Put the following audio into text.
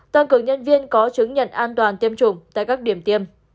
toàn cực nhân viên có chứng nhận an toàn tiêm chủng tại các điểm tiêm